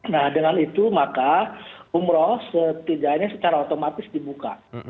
nah dengan itu maka umroh setidaknya secara otomatis dibuka